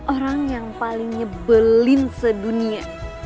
orang yang paling nyebelin sedunia